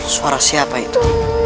suara siapa itu